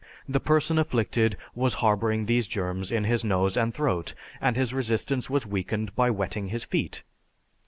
The person afflicted was harboring these germs in his nose and throat, and his resistance was weakened by wetting his feet.